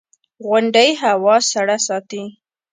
• غونډۍ هوا سړه ساتي.